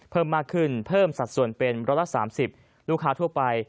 เพิ่มมากขึ้นเพิ่มสัดส่วนเป็นร้อยละ๓๐ลูกค้าทั่วไป